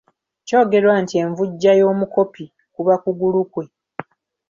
Kyogerwa nti envujja y’omukopi kuba kugulu kwe.